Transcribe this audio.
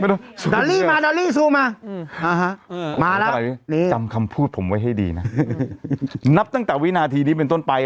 ไม่ได้เร็วไม่ต้องมามาแล้วจำคำพูดผมไว้ให้ดีน่ะนับตั้งแต่วินาทีนี้เป็นต้นไป